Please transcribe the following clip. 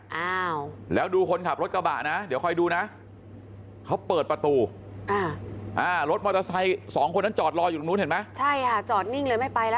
ใช่ค่ะจอดนิ่งเลยไม่ไปละลงมาแล้วหรอ